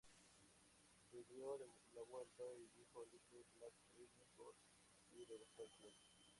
Se dio la vuelta y dijo 'Little Black Riding Hood', y regresó al club.